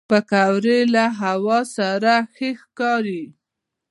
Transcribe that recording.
پکورې له هوار سره ښه ښکاري